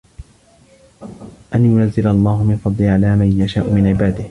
أَنْ يُنَزِّلَ اللَّهُ مِنْ فَضْلِهِ عَلَىٰ مَنْ يَشَاءُ مِنْ عِبَادِهِ ۖ